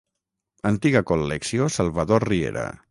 Antiga Col·lecció Salvador Riera.